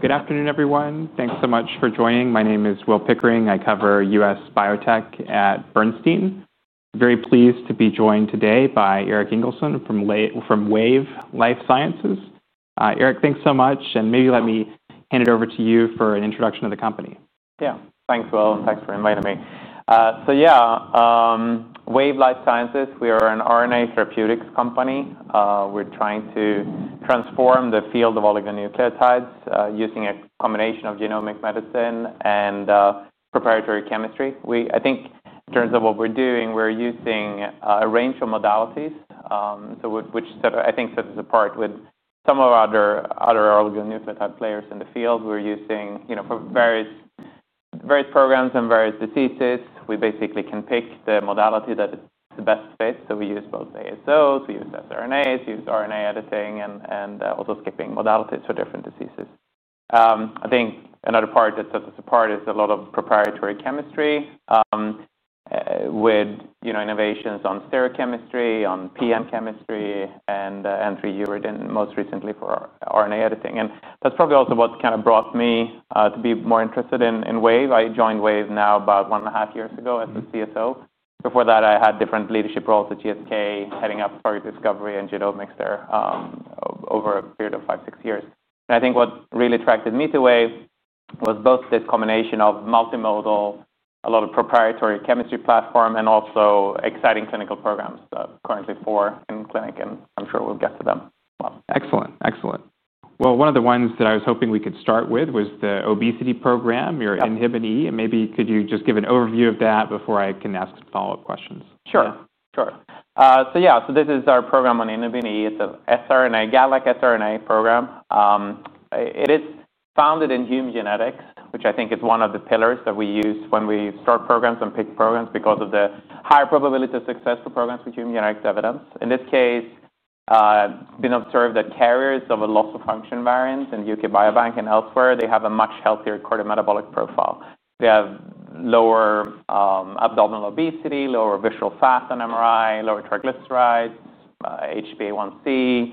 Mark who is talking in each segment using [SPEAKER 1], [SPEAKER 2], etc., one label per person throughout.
[SPEAKER 1] Good afternoon, everyone. Thanks so much for joining. My name is Will Pickering. I cover U.S. biotech at Bernstein. I'm very pleased to be joined today by Dr. Erik Ingelsson from Wave Life Sciences. Erik, thanks so much. Maybe let me hand it over to you for an introduction of the company.
[SPEAKER 2] Yeah, thanks, Will, and thanks for inviting me. Yeah, Wave Life Sciences, we are an RNA therapeutics company. We're trying to transform the field of oligonucleotides using a combination of genomic medicine and proprietary chemistry. I think in terms of what we're doing, we're using a range of modalities, which I think sets us apart with some of our other oligonucleotide players in the field. We're using for various programs and various diseases. We basically can pick the modality that is the best fit. We use both ASOs, we use mRNAs, we use RNA editing, and also skipping modalities for different diseases. I think another part that sets us apart is a lot of proprietary chemistry with innovations on stereochemistry, on PM chemistry, and enterourea, most recently for RNA editing. That's probably also what kind of brought me to be more interested in Wave. I joined Wave now about one and a half years ago as a CSO. Before that, I had different leadership roles at GSK heading up discovery and genomics there over a period of five, six years. I think what really attracted me to Wave was both this combination of multimodal, a lot of proprietary chemistry platform, and also exciting clinical programs currently for in clinic. I'm sure we'll get to them.
[SPEAKER 1] Excellent, excellent. One of the ones that I was hoping we could start with was the obesity program, your INHIBIN-E. Maybe could you just give an overview of that before I can ask some follow-up questions?
[SPEAKER 2] Sure. This is our program on INHIBIN-E. It's an siRNA, GALAX siRNA program. It is founded in human genetics, which I think is one of the pillars that we use when we start programs and pick programs because of the higher probability of success for programs with human genetic evidence. In this case, it's been observed that carriers of a loss of function variants in the UK Biobank and elsewhere have a much healthier cardiometabolic profile. They have lower abdominal obesity, lower visceral fat on MRI, lower triglycerides, HbA1c,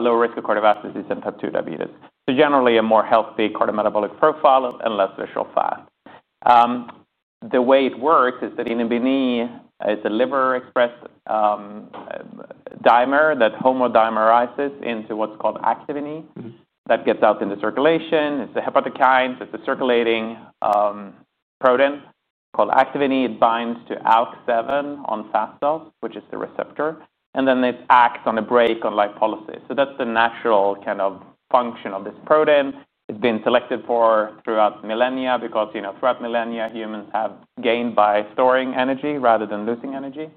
[SPEAKER 2] lower risk of cardiovascular disease and type 2 diabetes. Generally, a more healthy cardiometabolic profile and less visceral fat. The way it works is that INHIBIN-E is a liver-expressed dimer that homodimerizes into what's called activin-E that gets out into circulation. It's a hepatokine that's a circulating protein called activin-E. It binds to ALK7 on fat cells, which is the receptor, and then it acts as a brake on lipolysis. That's the natural kind of function of this protein. It's been selected for throughout millennia because throughout millennia, humans have gained by storing energy rather than losing energy,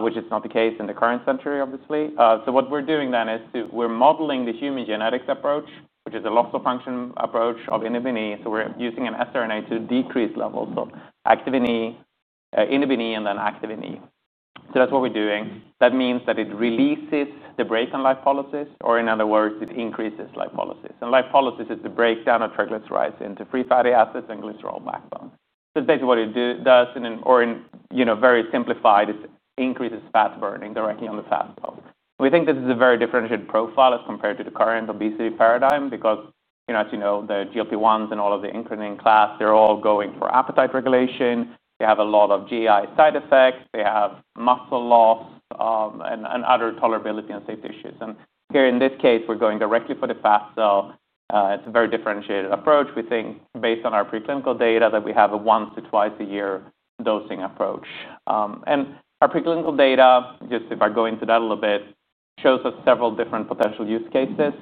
[SPEAKER 2] which is not the case in the current century, obviously. What we're doing then is we're modeling the human genetics approach, which is a loss of function approach of INHIBIN-E. We're using an siRNA to decrease levels of activin-E, INHIBIN-E, and then activin-E. That means that it releases the brake on lipolysis, or in other words, it increases lipolysis. Lipolysis is the breakdown of triglycerides into free fatty acids and glycerol backbone. It's basically what it does, or in very simplified, it increases fat burning directly on the fat cell. We think this is a very differentiated profile as compared to the current obesity paradigm because, as you know, the GLP-1 agonists and all of the increasing class, they're all going for appetite regulation. They have a lot of GI side effects. They have muscle loss and other tolerability and safety issues. In this case, we're going directly for the fat cell. It's a very differentiated approach. We think based on our preclinical data that we have a once or twice a year dosing approach. Our preclinical data, just if I go into that a little bit, shows us several different potential use cases.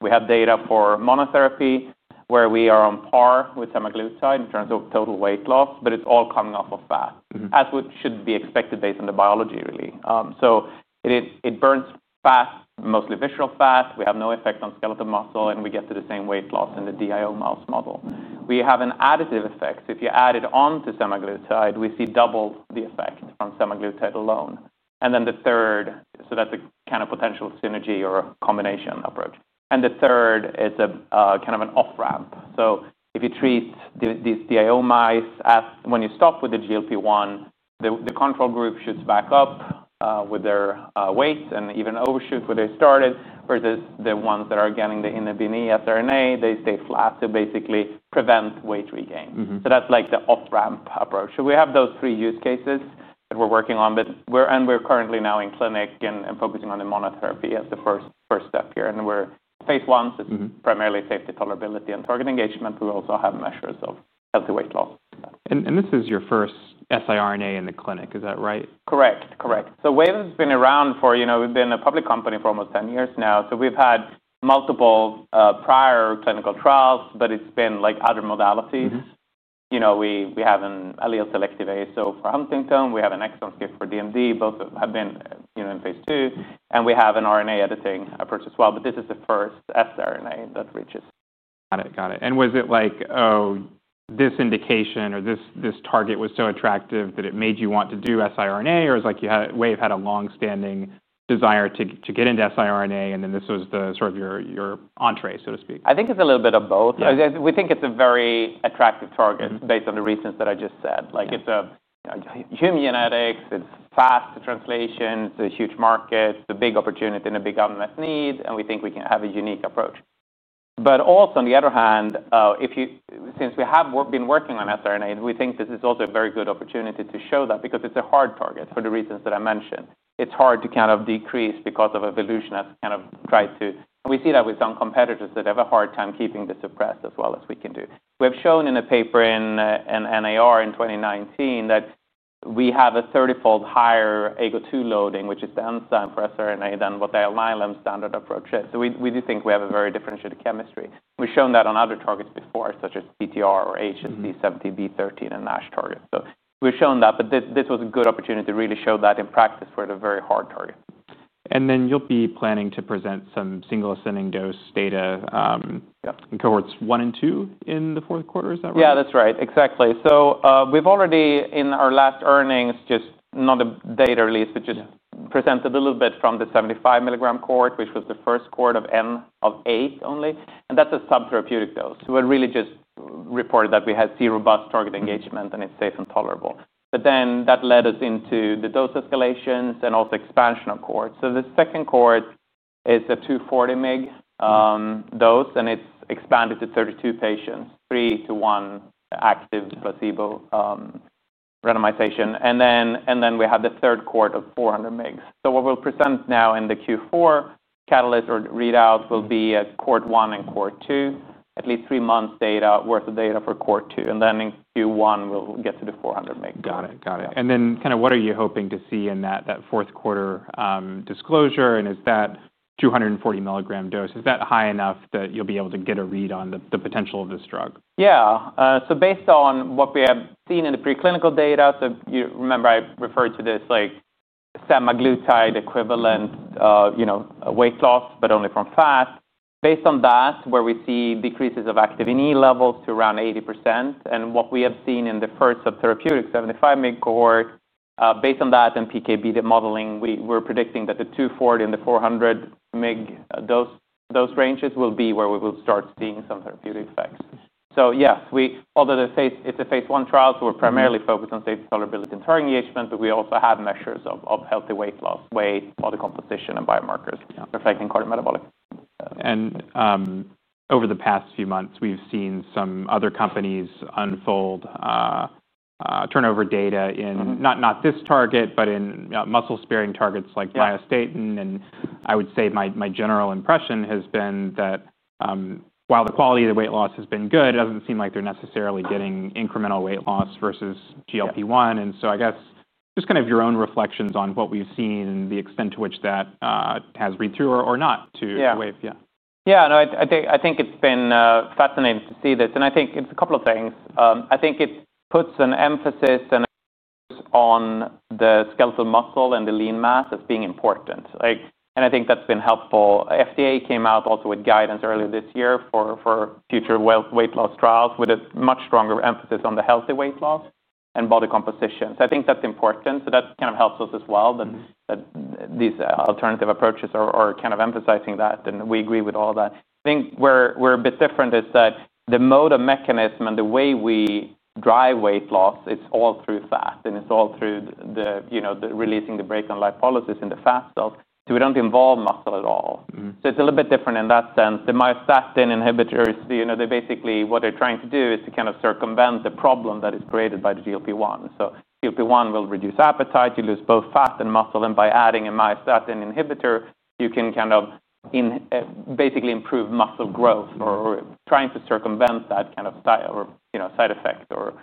[SPEAKER 2] We have data for monotherapy where we are on par with semaglutide in terms of total weight loss, but it's all coming off of fat, as would be expected based on the biology, really. It burns fat, mostly visceral fat. We have no effect on skeletal muscle, and we get to the same weight loss in the DIO mouse model. We have an additive effect. If you add it onto semaglutide, we see double the effect from semaglutide alone. The third is a kind of an off-ramp. If you treat these DIO mice, when you stop with the GLP-1, the control group shoots back up with their weights and even overshoot where they started, whereas the ones that are getting the INHIBIN-E siRNA, they stay flat to basically prevent weight regain. That's like the off-ramp approach. We have those three use cases that we're working on, and we're currently now in clinic and focusing on the monotherapy as the first step here. We're phase one, so it's primarily safety, tolerability, and target engagement, but we also have measures of healthy weight loss.
[SPEAKER 1] Is this your first siRNA in the clinic, is that right?
[SPEAKER 2] Correct, correct. Wave Life Sciences has been around for, you know, we've been a public company for almost 10 years now. We've had multiple prior clinical trials, but it's been like other modalities. We have an allele-selective ASO for Huntington. We have an exon skip for DMD. Both have been in phase two. We have an RNA editing approach as well, but this is the first siRNA that reaches.
[SPEAKER 1] Got it, got it. Was it like, oh, this indication or this target was so attractive that it made you want to do siRNA, or it was like Wave had a longstanding desire to get into siRNA, and then this was sort of your entree, so to speak?
[SPEAKER 2] I think it's a little bit of both. We think it's a very attractive target based on the reasons that I just said. Like it's human genetics, it's fast to translation, it's a huge market, it's a big opportunity in a big unmet need, and we think we can have a unique approach. Also, on the other hand, since we have been working on siRNA, we think this is also a very good opportunity to show that because it's a hard target for the reasons that I mentioned. It's hard to kind of decrease because evolution has kind of tried to, and we see that with some competitors that have a hard time keeping this suppressed as well as we can do. We've shown in a paper in NAR in 2019 that we have a 30-fold higher AGO2 loading, which is the enzyme for siRNA, than what the Alnylam standard approach is. We do think we have a very differentiated chemistry. We've shown that on other targets before, such as CTFR or HSD17B13 and NASH targets. We've shown that, but this was a good opportunity to really show that in practice for the very hard target.
[SPEAKER 1] You will be planning to present some single-assaying dose data in cohorts one and two in the fourth quarter, is that right?
[SPEAKER 2] Yeah, that's right. Exactly. We've already, in our last earnings, just not a data release, but just presented a little bit from the 75 mg cohort, which was the first cohort of N of eight only. That's a subtherapeutic dose. We really just reported that we had seen robust target engagement and it's safe and tolerable. That led us into the dose escalation, then also expansion of cohorts. The second cohort is a 240 mg dose, and it's expanded to 32 patients, three to one active placebo randomization. We have the third cohort of 400 mg. What we'll present now in the Q4 catalyst or readout will be cohort one and cohort two, at least three months' worth of data for cohort two. In Q1, we'll get to the 400 mg.
[SPEAKER 1] Got it, got it. What are you hoping to see in that fourth quarter disclosure? Is that 240 milligram dose high enough that you'll be able to get a read on the potential of this drug?
[SPEAKER 2] Yeah, so based on what we have seen in the preclinical data, you remember I referred to this like semaglutide equivalent weight loss, but only from fat. Based on that, where we see decreases of activin-E levels to around 80%. What we have seen in the first subtherapeutic 75 mg cohort, based on that and PKB, the modeling, we're predicting that the 240 and the 400 mg dose ranges will be where we will start seeing some therapeutic effects. Yes, although it's a phase one trial, we're primarily focused on safety, tolerability, and target engagement, but we also have measures of healthy weight loss, weight, other composition, and biomarkers affecting cardiometabolic.
[SPEAKER 1] Over the past few months, we've seen some other companies unfold turnover data in not this target, but in muscle-sparing targets like myostatin. I would say my general impression has been that while the quality of the weight loss has been good, it doesn't seem like they're necessarily getting incremental weight loss versus GLP-1. I guess just kind of your own reflections on what we've seen and the extent to which that has read through or not to Wave.
[SPEAKER 2] Yeah, no, I think it's been fascinating to see this. I think it's a couple of things. I think it puts an emphasis on the skeletal muscle and the lean mass as being important. I think that's been helpful. FDA came out also with guidance earlier this year for future weight loss trials with a much stronger emphasis on the healthy weight loss and body composition. I think that's important. That kind of helps us as well. These alternative approaches are kind of emphasizing that. We agree with all that. I think where we're a bit different is that the motor mechanism and the way we drive weight loss, it's all through fat. It's all through releasing the break on lipolysis in the fat cells. We don't involve muscle at all. It's a little bit different in that sense. The Myostatin inhibitors, you know, they basically, what they're trying to do is to kind of circumvent the problem that is created by the GLP-1 agonists. GLP-1 agonists will reduce appetite. You lose both fat and muscle. By adding a Myostatin inhibitor, you can basically improve muscle growth or try to circumvent that kind of side effect or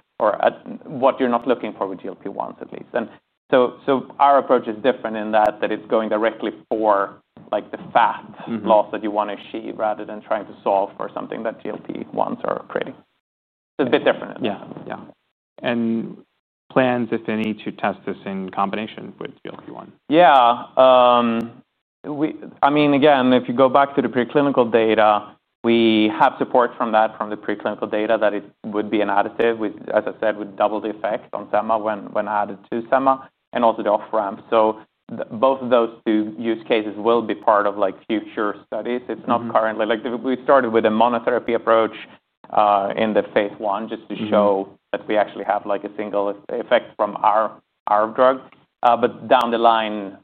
[SPEAKER 2] what you're not looking for with GLP-1 agonists, at least. Our approach is different in that it's going directly for the fat loss that you want to achieve rather than trying to solve for something that GLP-1 agonists are creating. It's a bit different.
[SPEAKER 1] Yeah. Yeah. Any plans to test this in combination with GLP-1?
[SPEAKER 2] Yeah, I mean, again, if you go back to the preclinical data, we have support from that, from the preclinical data that it would be an additive, as I said, with double the effect on SEMA when added to SEMA. Also, the off-ramp. Both of those two use cases will be part of future studies. It's not currently. We started with a monotherapy approach in the phase one just to show that we actually have a single effect from our drug. Down the line,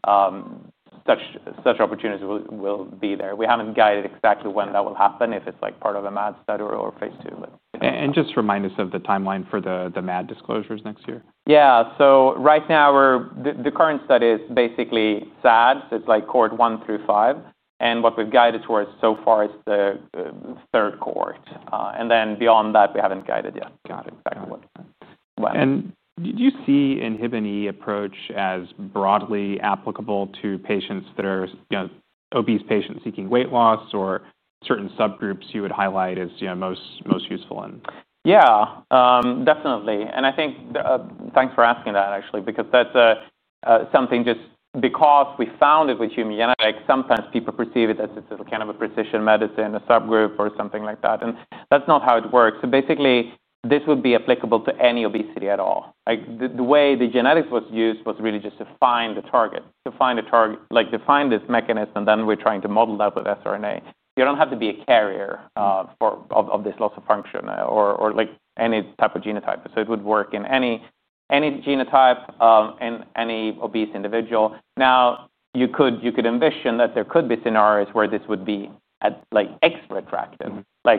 [SPEAKER 2] such opportunities will be there. We haven't guided exactly when that will happen, if it's part of a MAD study or phase two.
[SPEAKER 1] Please remind us of the timeline for the MAD disclosures next year.
[SPEAKER 2] Right now the current study is basically SADs. It's like cohort one through five, and what we've guided towards so far is the third cohort. Beyond that, we haven't guided yet.
[SPEAKER 1] Got it. Do you see INHIBIN-E approach as broadly applicable to patients that are obese patients seeking weight loss, or certain subgroups you would highlight as most useful?
[SPEAKER 2] Yeah, definitely. Thanks for asking that, actually, because that's something just because we found it with human genetics, sometimes people perceive it as it's a kind of a precision medicine, a subgroup, or something like that. That's not how it works. Basically, this would be applicable to any obesity at all. The way the genetics was used was really just to find the target, to find a target, like define this mechanism, and then we're trying to model that with siRNA. You don't have to be a carrier of this loss of function or like any type of genotype. It would work in any genotype in any obese individual. You could envision that there could be scenarios where this would be extra attractive.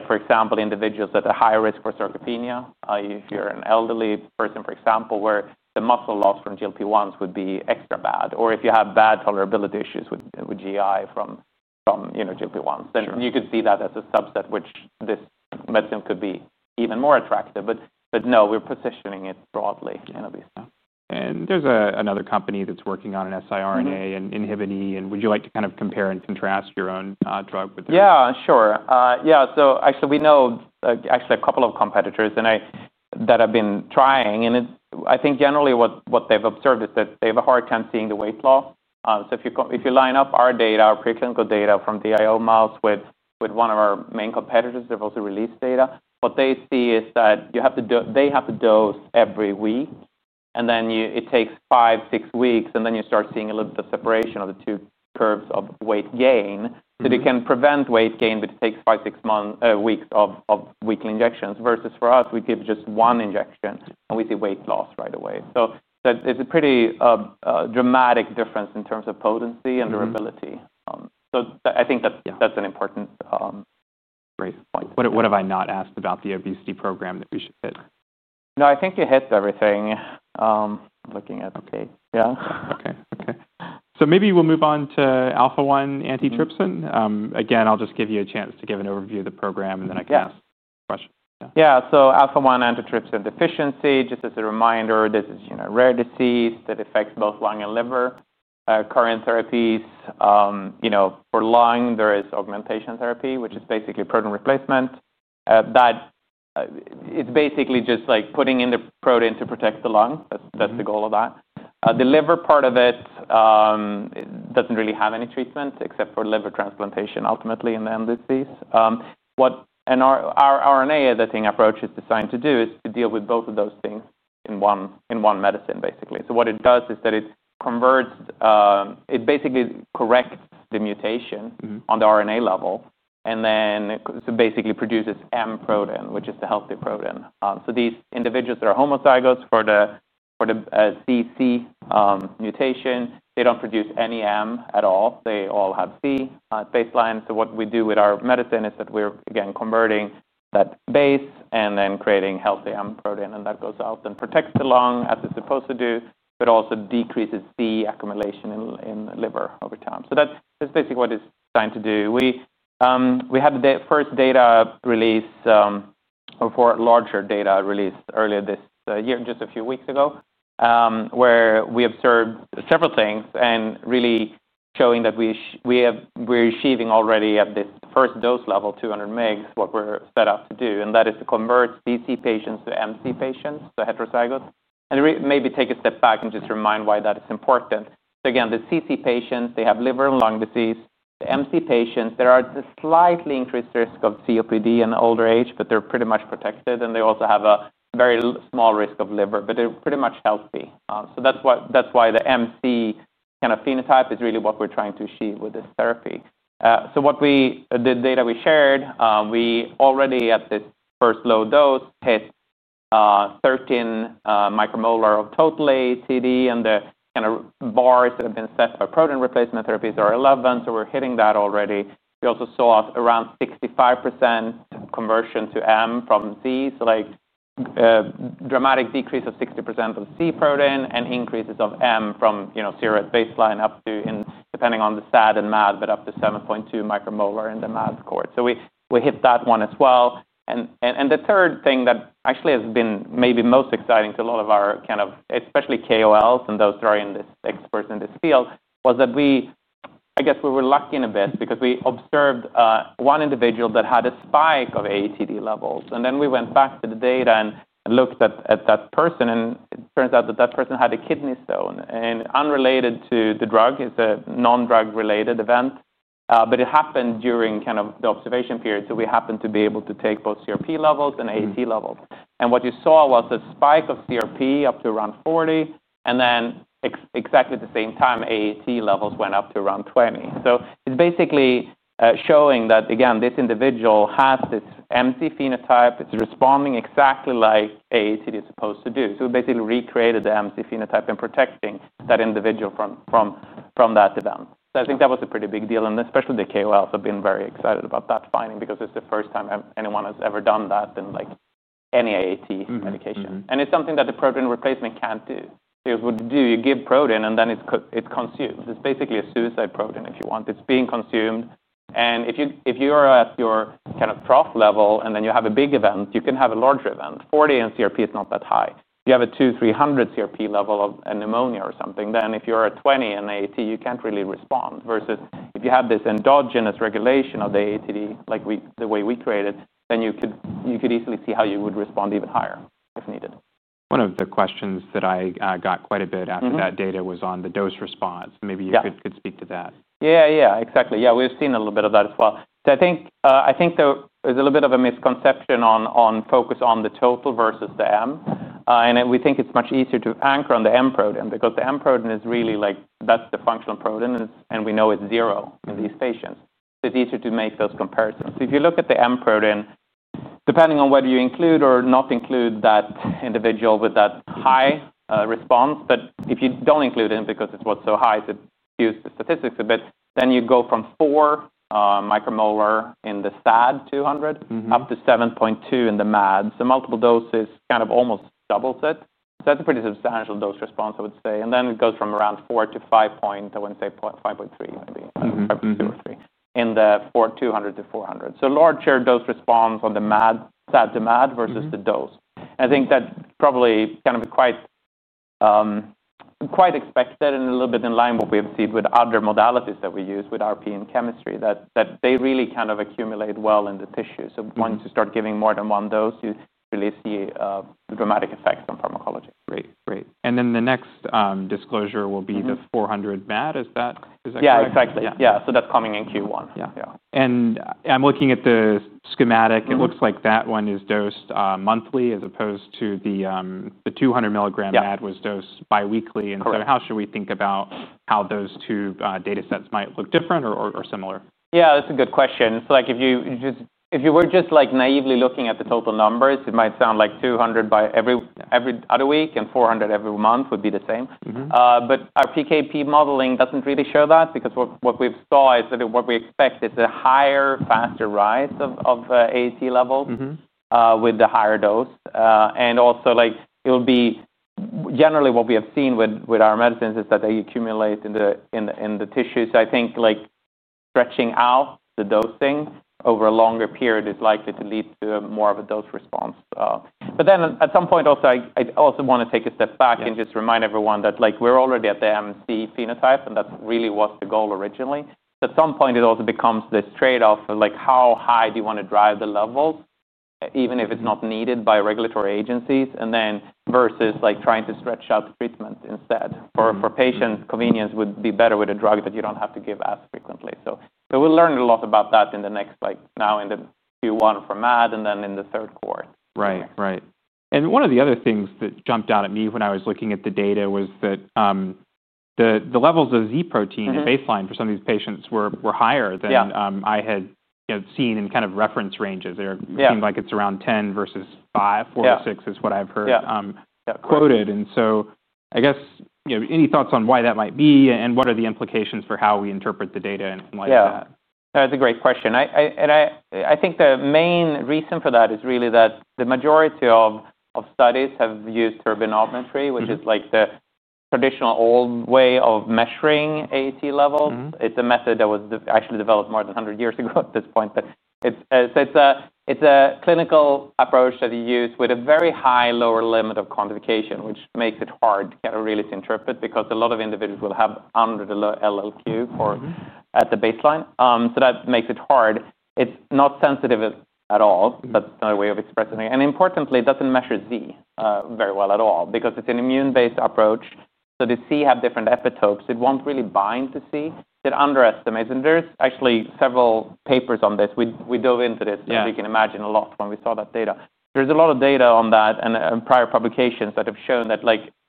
[SPEAKER 2] For example, individuals that are at a higher risk for sarcopenia, if you're an elderly person, for example, where the muscle loss from GLP-1 agonists would be extra bad. If you have bad tolerability issues with GI from GLP-1 agonists, then you could see that as a subset which this medicine could be even more attractive. No, we're positioning it broadly in obesity.
[SPEAKER 1] There's another company that's working on an siRNA and INHIBIN-E. Would you like to kind of compare and contrast your own drug with it?
[SPEAKER 2] Yeah, sure. We know actually a couple of competitors that have been trying. I think generally what they've observed is that they have a hard time seeing the weight loss. If you line up our data, our preclinical data from DIO mouse with one of our main competitors, they've also released data. What they see is that they have to dose every week, and then it takes five, six weeks, and then you start seeing a little bit of separation of the two curves of weight gain. They can prevent weight gain, but it takes five, six weeks of weekly injections versus for us, we give just one injection and we see weight loss right away. It's a pretty dramatic difference in terms of potency and durability. I think that's an important raise point.
[SPEAKER 1] What have I not asked about the obesity program that we should hit?
[SPEAKER 2] No, I think you hit everything. I'm looking at, okay, yeah.
[SPEAKER 1] Okay. Maybe we'll move on to alpha-1 antitrypsin. Again, I'll just give you a chance to give an overview of the program and then I can ask questions.
[SPEAKER 2] Yeah, so alpha-1 antitrypsin deficiency, just as a reminder, this is a rare disease that affects both lung and liver. Current therapies, you know, for lung, there is augmentation therapy, which is basically protein replacement. It's basically just like putting in the protein to protect the lung. That's the goal of that. The liver part of it doesn't really have any treatment except for liver transplantation ultimately in the end of these. What our RNA editing approach is designed to do is to deal with both of those things in one medicine, basically. It converts, it basically corrects the mutation on the RNA level and then basically produces M protein, which is the healthy protein. These individuals that are homozygous for the CC mutation, they don't produce any M at all. They all have C at baseline. What we do with our medicine is that we're, again, converting that base and then creating healthy M protein. That goes out and protects the lung as it's supposed to do, but also decreases C accumulation in the liver over time. That's basically what it's designed to do. We had the first data release or four larger data released earlier this year, just a few weeks ago, where we observed several things and really showing that we are achieving already at this first dose level, 200 mg, what we're set up to do. That is to convert CC patients to MC patients, so heterozygote. Maybe take a step back and just remind why that is important. The CC patients, they have liver and lung disease. The MC patients, there are a slightly increased risk of COPD in older age, but they're pretty much protected. They also have a very small risk of liver, but they're pretty much healthy. That's why the MC kind of phenotype is really what we're trying to achieve with this therapy. The data we shared, we already at this first low dose hit 13 micromolar of total AATD and the kind of bars that have been set for protein replacement therapies are 11. We're hitting that already. We also saw around 65% conversion to M from C, like a dramatic decrease of 60% of C protein and increases of M from zero at baseline up to, depending on the SAD and MAD, but up to 7.2 micromolar in the MAD cohort. We hit that one as well. The third thing that actually has been maybe most exciting to a lot of our kind of, especially KOLs and those that are experts in this field, was that we, I guess we were lucky in a bit because we observed one individual that had a spike of ACD levels. We went back to the data and looked at that person. It turns out that person had a kidney stone. Unrelated to the drug, it's a non-drug related event, but it happened during the observation period. We happened to be able to take both CRP levels and AAT levels. What you saw was a spike of CRP up to around 40, and then exactly at the same time, AAT levels went up to around 20. It's basically showing that, again, this individual has this MC phenotype. It's responding exactly like AAT is supposed to do. We basically recreated the MC phenotype in protecting that individual from that event. I think that was a pretty big deal. Especially the KOLs have been very excited about that finding because it's the first time anyone has ever done that in any AAT medication, and it's something that the protein replacement can't do. What you do, you give protein and then it's consumed. It's basically a suicide protein if you want. It's being consumed, and if you are at your trough level and then you have a big event, you can have a larger event. 40 in CRP is not that high. If you have a 200, 300 CRP level of pneumonia or something, then if you're at 20 in AAT, you can't really respond. Versus if you have this endogenous regulation of the AAT, like the way we created, then you could easily see how you would respond even higher if needed.
[SPEAKER 1] One of the questions that I got quite a bit after that data was on the dose response. Maybe you could speak to that.
[SPEAKER 2] Yeah, yeah, exactly. We've seen a little bit of that as well. I think there's a little bit of a misconception on focus on the total versus the M. We think it's much easier to anchor on the M protein because the M protein is really like, that's the functional protein and we know it's zero in these patients. It's easier to make those comparisons. If you look at the M protein, depending on whether you include or not include that individual with that high response, if you don't include it because it's so high, it skews the statistics a bit, then you go from 4 micromolar in the SAD 200 up to 7.2 in the MAD. Multiple doses kind of almost doubles it. That's a pretty substantial dose response, I would say. It goes from around 4 to 5.3 maybe, 5.2 or 5.3 in the 400 to 400. A larger dose response on the MAD, SAD to MAD versus the dose. I think that's probably quite expected and a little bit in line with what we have seen with other modalities that we use with RP in chemistry, that they really kind of accumulate well in the tissue. Once you start giving more than one dose, you really see the dramatic effects on pharmacology.
[SPEAKER 1] Great, great. The next disclosure will be the 400 MAD. Is that correct?
[SPEAKER 2] Yeah, exactly. That's coming in Q1.
[SPEAKER 1] I'm looking at the schematic. It looks like that one is dosed monthly as opposed to the 200 milligram MAD, which was dosed biweekly. How should we think about how those two data sets might look different or similar?
[SPEAKER 2] Yeah, that's a good question. If you were just naively looking at the total numbers, it might sound like 200 every other week and 400 every month would be the same. Our PKP modeling doesn't really show that because what we saw is that what we expect is a higher, faster rise of AAT levels with the higher dose. Also, generally what we have seen with our medicines is that they accumulate in the tissue. I think stretching out the dosing over a longer period is likely to lead to more of a dose response. At some point, I also want to take a step back and just remind everyone that we're already at the MC phenotype and that really was the goal originally. At some point, it also becomes this trade-off of how high do you want to drive the levels, even if it's not needed by regulatory agencies, versus trying to stretch out the treatment instead. For patients, convenience would be better with a drug that you don't have to give as frequently. We'll learn a lot about that in the next, like now in Q1 for MAD and then in the third cohort.
[SPEAKER 1] Right. One of the other things that jumped out at me when I was looking at the data was that the levels of Z protein at baseline for some of these patients were higher than I had seen in reference ranges. It seemed like it's around 10 versus 5, 4 to 6 is what I've heard quoted. I guess, any thoughts on why that might be and what are the implications for how we interpret the data in light of that?
[SPEAKER 2] Yeah, that's a great question. I think the main reason for that is really that the majority of studies have used turbidimetry, which is like the traditional old way of measuring AAT levels. It's a method that was actually developed more than 100 years ago at this point. It's a clinical approach that you use with a very high lower limit of quantification, which makes it hard to really interpret because a lot of individuals will have under the low LLQ at the baseline. That makes it hard. It's not sensitive at all. That's not a way of expressing it. Importantly, it doesn't measure Z very well at all because it's an immune-based approach. The C have different epitopes. It won't really bind to C. It underestimates. There are actually several papers on this. We dove into this, as you can imagine, a lot when we saw that data. There's a lot of data on that and prior publications that have shown that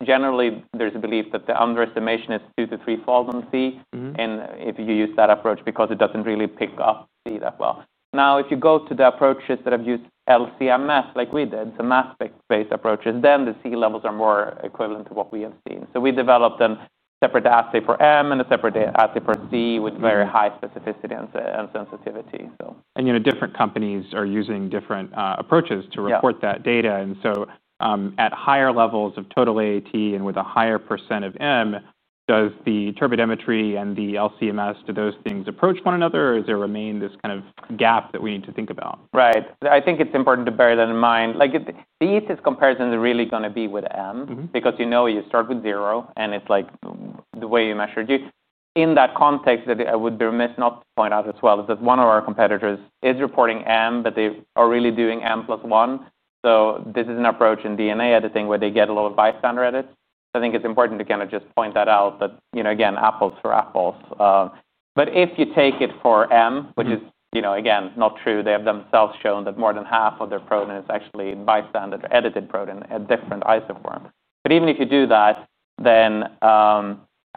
[SPEAKER 2] generally there's a belief that the underestimation is two to three fold on C if you use that approach because it doesn't really pick up C that well. Now, if you go to the approaches that have used LCMS, like we did, some aspect-based approaches, then the C levels are more equivalent to what we have seen. We developed a separate assay for M and a separate assay for C with very high specificity and sensitivity.
[SPEAKER 1] Different companies are using different approaches to report that data. At higher levels of total AAT and with a higher % of M, does the turbidimetry and the LCMS, do those things approach one another, or does there remain this kind of gap that we need to think about?
[SPEAKER 2] Right. I think it's important to bear that in mind. The easiest comparison is really going to be with M because you know you start with zero and it's like the way you measure G. In that context, I would be remiss not to point out as well that one of our competitors is reporting M, but they are really doing M plus one. This is an approach in DNA editing where they get a lot of bystander edits. I think it's important to kind of just point that out, you know, again, apples for apples. If you take it for M, which is, you know, again, not true, they have themselves shown that more than 50% of their protein is actually bystander edited protein at different isoforms. Even if you do that,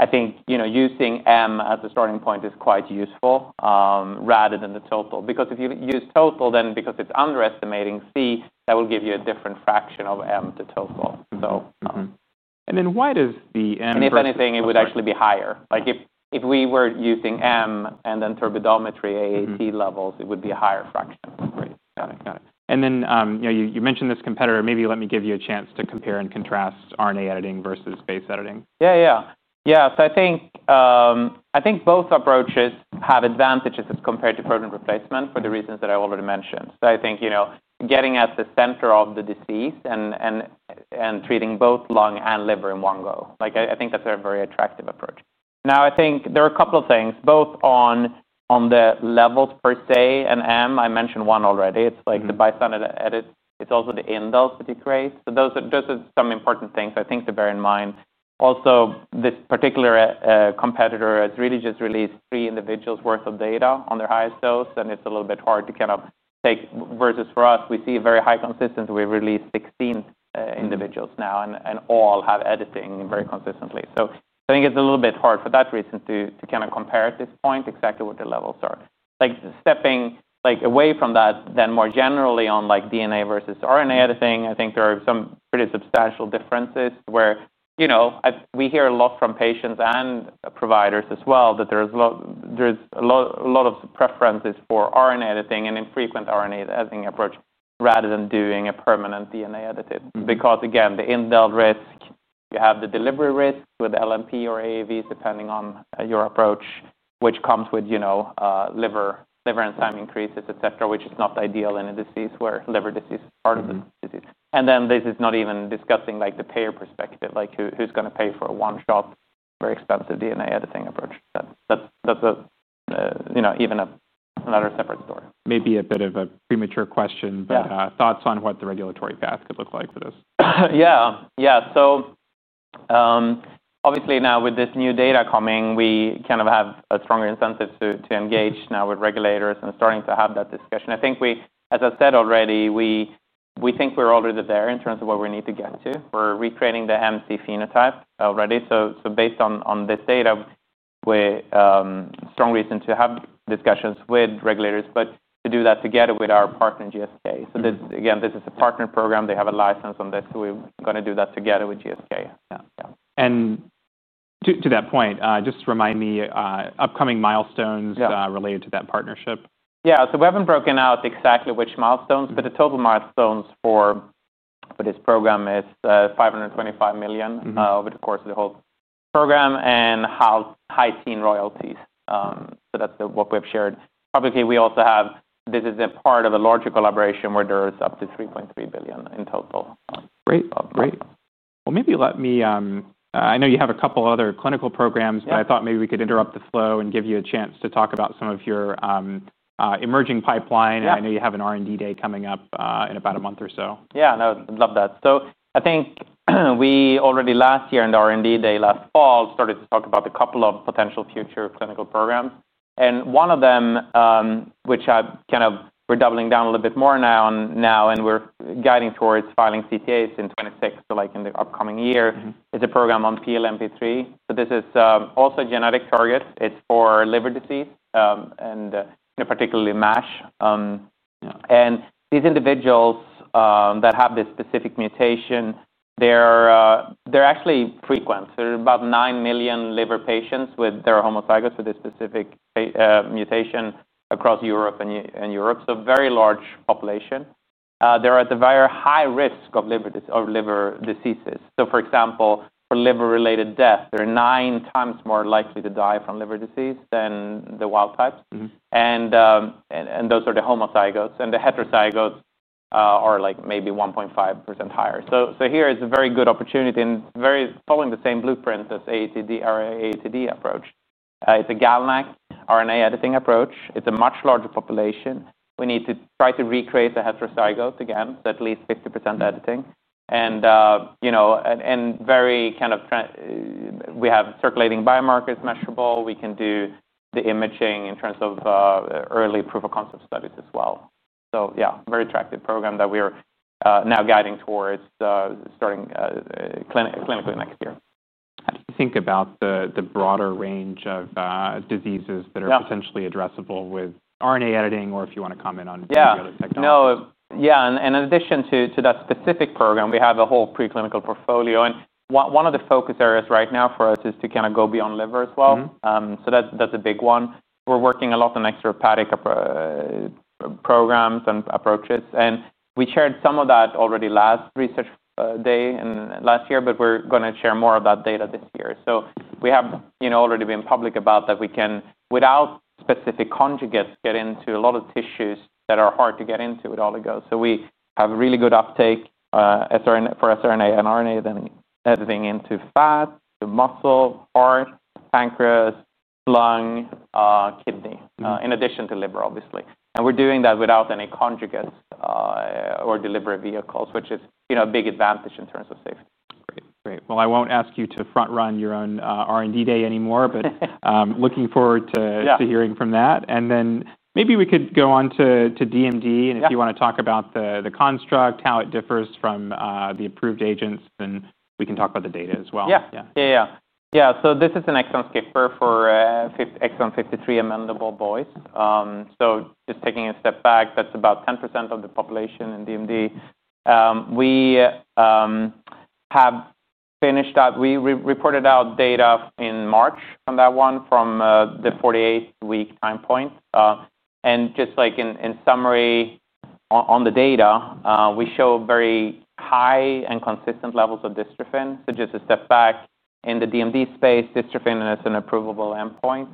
[SPEAKER 2] I think using M as a starting point is quite useful rather than the total. If you use total, then because it's underestimating C, that will give you a different fraction of M to total.
[SPEAKER 1] Why does the M?
[SPEAKER 2] If anything, it would actually be higher. If we were using M and then turbinometry AAT levels, it would be a higher fraction.
[SPEAKER 1] Great. Got it, got it. You mentioned this competitor. Maybe let me give you a chance to compare and contrast RNA editing versus base editing.
[SPEAKER 2] Yeah, yeah. I think both approaches have advantages as compared to protein replacement for the reasons that I already mentioned. I think getting at the center of the disease and treating both lung and liver in one go is a very attractive approach. I think there are a couple of things, both on the levels per se and M, I mentioned one already. It's the bystander edits. It's also the indels that you create. Those are some important things to bear in mind. Also, this particular competitor has really just released three individuals' worth of data on their highest dose, and it's a little bit hard to take versus for us. We see a very high consistency. We've released 16 individuals now and all have editing very consistently. I think it's a little bit hard for that reason to compare at this point exactly what the levels are. Stepping away from that, more generally on DNA versus RNA editing, I think there are some pretty substantial differences where we hear a lot from patients and providers as well that there's a lot of preferences for RNA editing and infrequent RNA editing approach rather than doing a permanent DNA edited. Because again, the indel risk, you have the delivery risk with LNP or AAVs depending on your approach, which comes with liver enzyme increases, et cetera, which is not ideal in a disease where liver disease is part of the disease. This is not even discussing the payer perspective, like who's going to pay for a one-shot very expensive DNA editing approach. That's even another separate story.
[SPEAKER 1] Maybe a bit of a premature question, but thoughts on what the regulatory path could look like for this?
[SPEAKER 2] Yeah, yeah. Obviously now with this new data coming, we kind of have a stronger incentive to engage now with regulators and starting to have that discussion. I think we, as I've said already, we think we're already there in terms of what we need to get to. We're recreating the MC phenotype already. Based on this data, we're strongly in to have discussions with regulators, but to do that together with our partner GSK. This is a partner program. They have a license on this. We're going to do that together with GSK. Yeah.
[SPEAKER 1] Could you remind me of upcoming milestones related to that partnership?
[SPEAKER 2] Yeah, we haven't broken out exactly which milestones, but the total milestones for this program is $525 million over the course of the whole program and has high teen royalties. That's what we've shared. Obviously, we also have, this is a part of a larger collaboration where there is up to $3.3 billion in total.
[SPEAKER 1] Great, great. Maybe let me, I know you have a couple other clinical programs, but I thought maybe we could interrupt the flow and give you a chance to talk about some of your emerging pipeline. I know you have an R&D day coming up in about a month or so.
[SPEAKER 2] Yeah, no, I'd love that. I think we already last year in the R&D day last fall started to talk about a couple of potential future clinical programs. One of them, which I kind of, we're doubling down a little bit more now and we're guiding towards filing CTAs in 2026, like in the upcoming year, is a program on PLMP3. This is also a genetic target. It's for liver disease and particularly MASH. These individuals that have this specific mutation, they're actually frequent. There are about 9 million liver patients who are homozygous with this specific mutation across Europe. A very large population. They're at a very high risk of liver diseases. For example, for liver-related deaths, they're nine times more likely to die from liver disease than the wild types. Those are the homozygotes. The heterozygotes are like maybe 1.5% higher. Here is a very good opportunity and very following the same blueprint as the AATD approach. It's a GALAX RNA editing approach. It's a much larger population. We need to try to recreate the heterozygote again that leads 50% editing. We have circulating biomarkers measurable. We can do the imaging in terms of early proof of concept studies as well. Yeah, very attractive program that we're now guiding towards starting clinically next year.
[SPEAKER 1] How do you think about the broader range of diseases that are potentially addressable with RNA editing, or if you want to comment on any other technology?
[SPEAKER 2] Yeah, no, yeah. In addition to that specific program, we have a whole preclinical portfolio. One of the focus areas right now for us is to kind of go beyond liver as well. That's a big one. We're working a lot on extrahepatic programs and approaches. We shared some of that already last research day and last year, but we're going to share more of that data this year. We have already been public about that we can, without specific conjugates, get into a lot of tissues that are hard to get into with oligo. We have really good uptake for siRNA and RNA editing into fat, muscle, heart, pancreas, lung, kidney, in addition to liver, obviously. We're doing that without any conjugates or delivery vehicles, which is a big advantage in terms of safety.
[SPEAKER 1] Great. I won't ask you to front run your own R&D day anymore, but looking forward to hearing from that. Maybe we could go on to DMD, and if you want to talk about the construct, how it differs from the approved agents, then we can talk about the data as well.
[SPEAKER 2] Yeah, yeah, yeah. Yeah, so this is an exon skipper for exon 53 amenable void. Just taking a step back, that's about 10% of the population in DMD. We have finished that. We reported out data in March on that one from the 48th week time point. Just like in summary on the data, we show very high and consistent levels of dystrophin. Just a step back in the DMD space, dystrophin is an approvable endpoint,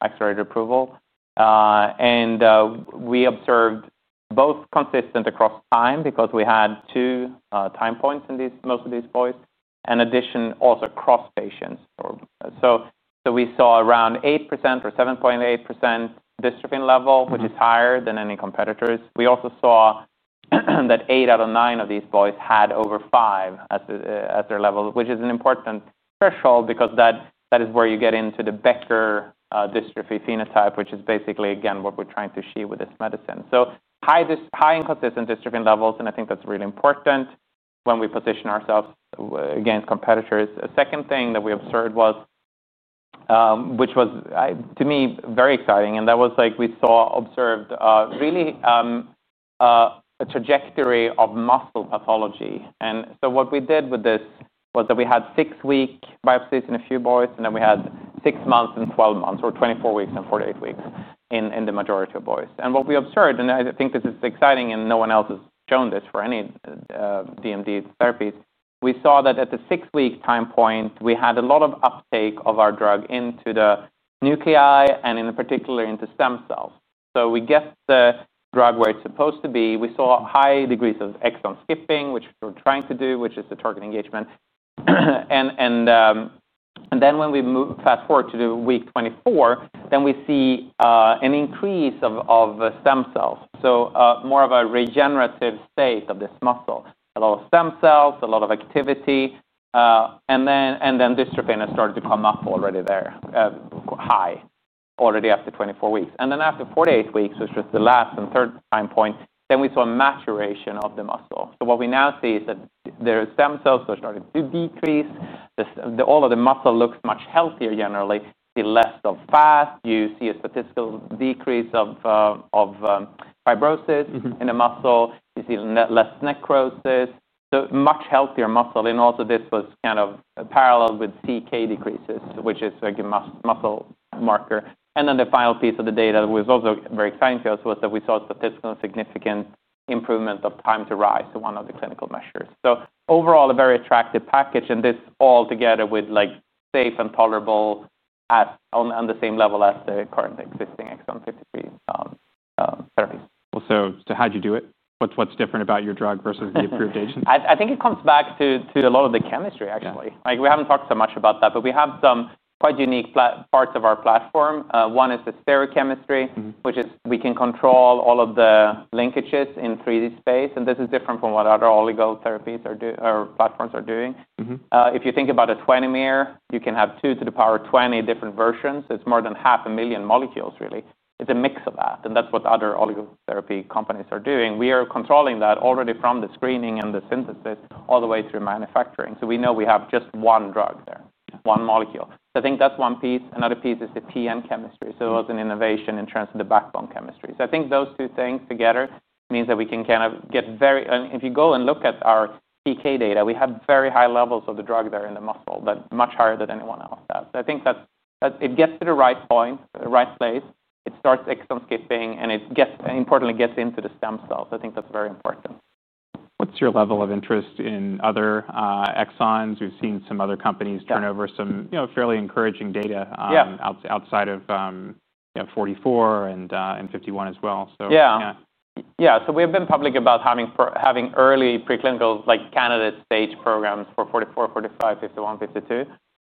[SPEAKER 2] accelerated approval. We observed both consistent across time because we had two time points in most of these voids, in addition also across patients. We saw around 8% or 7.8% dystrophin level, which is higher than any competitors. We also saw that eight out of nine of these voids had over five at their level, which is an important threshold because that is where you get into the Becker dystrophy phenotype, which is basically, again, what we're trying to achieve with this medicine. High and consistent dystrophin levels, and I think that's really important when we position ourselves against competitors. A second thing that we observed was, which was to me very exciting, and that was like we observed really a trajectory of muscle pathology. What we did with this was that we had six week biopsies in a few voids, and then we had six months and 12 months or 24 weeks and 48 weeks in the majority of voids. What we observed, and I think this is exciting and no one else has shown this for any DMD therapies, we saw that at the six week time point, we had a lot of uptake of our drug into the nuclei and in particular into stem cells. We get the drug where it's supposed to be. We saw high degrees of exon skipping, which we're trying to do, which is the target engagement. When we fast forward to week 24, we see an increase of stem cells, so more of a regenerative state of this muscle. A lot of stem cells, a lot of activity, and then dystrophin has started to come up already there, high already after 24 weeks. After 48 weeks, which was the last and third time point, we saw a maturation of the muscle. What we now see is that there are stem cells that are starting to decrease. All of the muscle looks much healthier generally. You see less fat. You see a statistical decrease of fibrosis in the muscle. You see less necrosis. Much healthier muscle. Also, this was kind of parallel with CK decreases, which is a muscle marker. The final piece of the data that was also very exciting to us was that we saw a statistically significant improvement of time to rise, one of the clinical measures. Overall, a very attractive package. This all together was safe and tolerable at the same level as the current existing exon 53 and 30.
[SPEAKER 1] How did you do it? What's different about your drug versus the approved agents?
[SPEAKER 2] I think it comes back to a lot of the chemistry actually. We haven't talked so much about that, but we have some quite unique parts of our platform. One is the stereochemistry, which is we can control all of the linkages in 3D space. This is different from what other oligotherapies or platforms are doing. If you think about a 20-mer, you can have two to the power of 20 different versions. It's more than half a million molecules really. It's a mix of that. That's what other oligotherapy companies are doing. We are controlling that already from the screening and the synthesis all the way through manufacturing. We know we have just one drug there, one molecule. I think that's one piece. Another piece is the PN chemistry. It was an innovation in terms of the backbone chemistry. I think those two things together mean that we can kind of get very, if you go and look at our PK data, we have very high levels of the drug there in the muscle that are much higher than anyone else does. I think that it gets to the right point, the right place. It starts exon skipping and it gets, importantly, gets into the stem cells. I think that's very important.
[SPEAKER 1] What's your level of interest in other exons? We've seen some other companies turn over some fairly encouraging data outside of 44 and 51 as well.
[SPEAKER 2] Yeah, we've been public about having early preclinical, like candidate stage programs for 44, 45, 51, 52.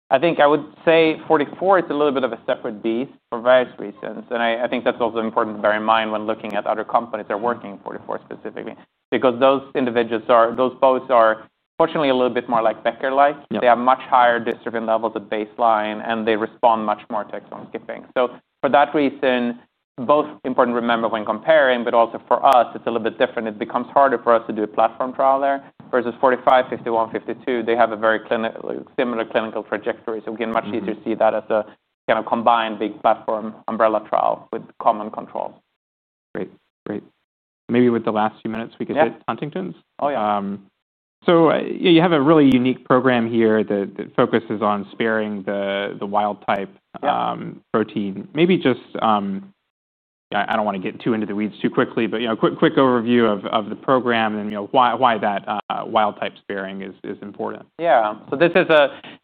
[SPEAKER 2] I think I would say 44 is a little bit of a separate beast for various reasons. I think that's also important to bear in mind when looking at other companies that are working in 44 specifically, because those individuals, those boats are fortunately a little bit more like Becker-like. They have much higher dystrophin levels at baseline, and they respond much more to exon skipping. For that reason, both important to remember when comparing, but also for us, it's a little bit different. It becomes harder for us to do a platform trial there versus 45, 51, 52. They have a very similar clinical trajectory, so again, much easier to see that as a kind of combined big platform umbrella trial with common control.
[SPEAKER 1] Great, great. Maybe with the last few minutes, we could hit Huntington's.
[SPEAKER 2] Oh yeah.
[SPEAKER 1] You have a really unique program here that focuses on sparing the wild-type protein. Maybe just, yeah, I don't want to get too into the weeds too quickly, but you know, a quick overview of the program and why that wild-type sparing is important.
[SPEAKER 2] Yeah, this is,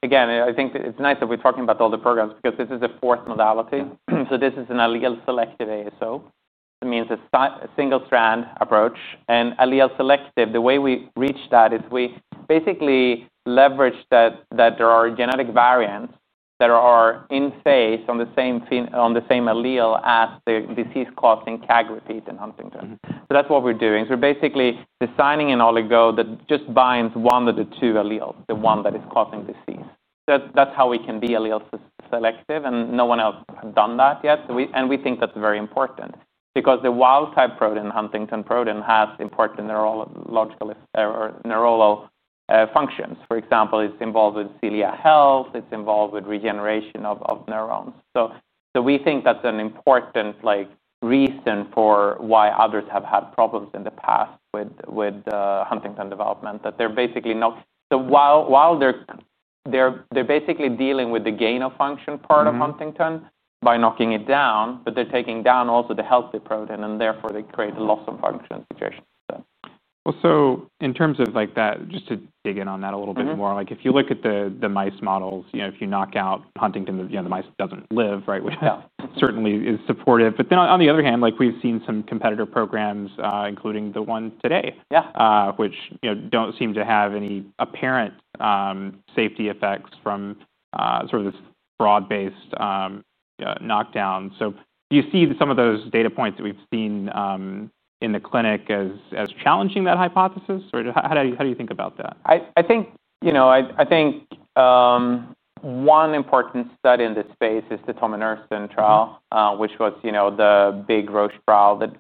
[SPEAKER 2] again, I think it's nice that we're talking about all the programs because this is a fourth modality. This is an allele-selective ASO. It means a single strand approach. Allele-selective, the way we reach that is we basically leverage that there are genetic variants that are in phase on the same allele as the disease-causing KAG repeat in Huntington. That's what we're doing. We're basically designing an oligo that just binds one of the two alleles, the one that is causing disease. That's how we can be allele-selective and no one else has done that yet. We think that's very important because the wild-type protein, Huntington protein, has important neurological functions. For example, it's involved with celiac health. It's involved with regeneration of neurons. We think that's an important reason for why others have had problems in the past with Huntington development, that they're basically not, so while they're basically dealing with the gain of function part of Huntington by knocking it down, they're taking down also the healthy protein and therefore they create a loss of function situation.
[SPEAKER 1] In terms of that, just to dig in on that a little bit more, if you look at the mice models, you know, if you knock out Huntington, the mice doesn't live, right? Which certainly is supportive. On the other hand, we've seen some competitor programs, including the one today, which don't seem to have any apparent safety effects from sort of this broad-based knockdown. Do you see some of those data points that we've seen in the clinic as challenging that hypothesis? Or how do you think about that?
[SPEAKER 2] I think one important study in this space is the Tommy Nursten trial, which was the big Roche trial that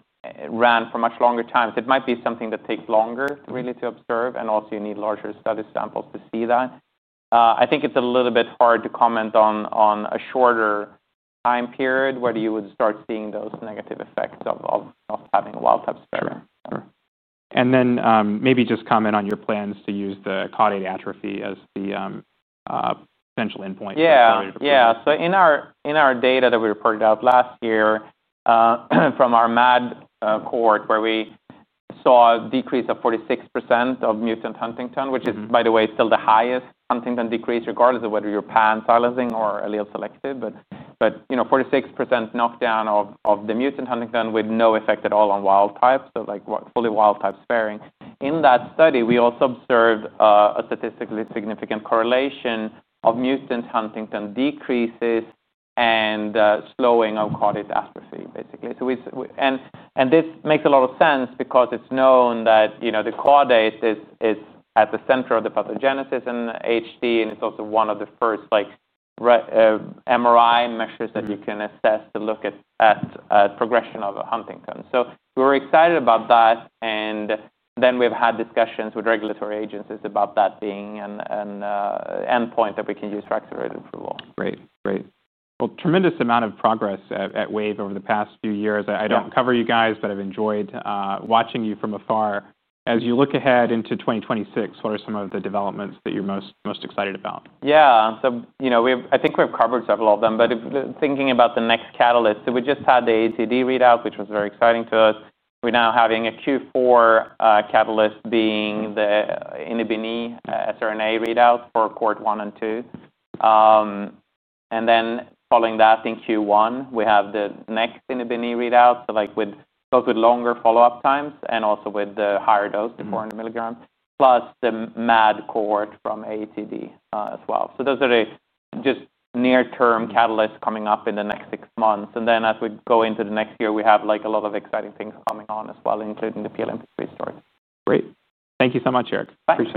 [SPEAKER 2] ran for a much longer time. It might be something that takes longer really to observe, and also you need larger study samples to see that. I think it's a little bit hard to comment on a shorter time period where you would start seeing those negative effects of having a wild-type sparing.
[SPEAKER 1] Could you comment on your plans to use the caudate atrophy as the potential endpoint?
[SPEAKER 2] Yeah, yeah. In our data that we reported out last year from our MAD cohort where we saw a decrease of 46% of mutant Huntington, which is, by the way, still the highest Huntington decrease regardless of whether you're pan-silencing or allele-selective. You know, 46% knockdown of the mutant Huntington with no effect at all on wild-type, so like fully wild-type sparing. In that study, we also observed a statistically significant correlation of mutant Huntington decreases and slowing of caudate atrophy basically. This makes a lot of sense because it's known that the caudate is at the center of the pathogenesis in HD and it's also one of the first MRI measures that you can assess to look at progression of Huntington. We're excited about that and we've had discussions with regulatory agencies about that being an endpoint that we can use for accelerated approval.
[SPEAKER 1] Great, great. Tremendous amount of progress at Wave Life Sciences over the past few years. I don't cover you guys, but I've enjoyed watching you from afar. As you look ahead into 2026, what are some of the developments that you're most excited about?
[SPEAKER 2] Yeah, I think we've covered several of them, but thinking about the next catalyst. We just had the AATD readout, which was very exciting to us. We're now having a Q4 catalyst being the INHIBIN-E siRNA readout for cohort one and two. Following that in Q1, we have the next INHIBIN-E readout, with those with longer follow-up times and also with the higher dose, the 400 milligrams, plus the MAD cohort from AATD as well. Those are just near-term catalysts coming up in the next six months. As we go into the next year, we have a lot of exciting things coming on as well, including the PLMP3 story.
[SPEAKER 1] Great. Thank you so much, Erik.
[SPEAKER 2] Thank you.